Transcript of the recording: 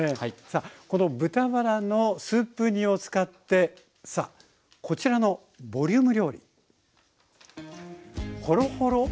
さあこの豚バラのスープ煮を使ってさあこちらのボリューム料理。